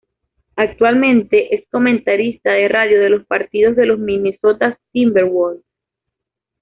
Actualmente es comentarista de radio de los partidos de los Minnesota Timberwolves.